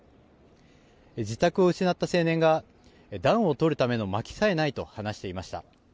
自宅を失った青年が暖を取るためのまきさえないと話していました。